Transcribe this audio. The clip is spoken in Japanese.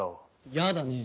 やだね。